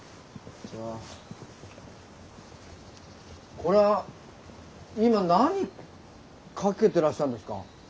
これは今何かけてらっしゃるんですか？